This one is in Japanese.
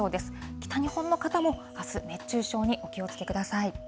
北日本の方も、あす熱中症にお気をつけください。